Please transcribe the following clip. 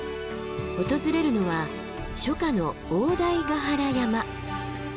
訪れるのは初夏の大台ヶ原山。